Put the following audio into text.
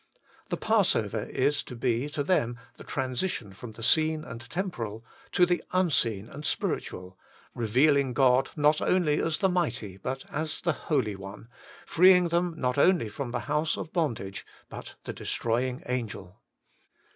The Passover is to be to them the transition from the seen and temporal to the unseen and spiritual, revealing God not only as the Mighty but as the Holy One, freeing them not only from the house of bondage but the Destroying Angel.